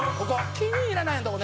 “気に入らないよ”のとこね！」